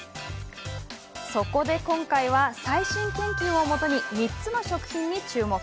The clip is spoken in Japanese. そこで、今回は最新研究をもとに３つの食品に注目。